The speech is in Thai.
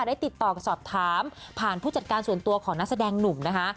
ได้ติดต่อกับสอบถามผ่านผู้จัดการส่วนตัวของนักแสดงหนุ่มนะคะ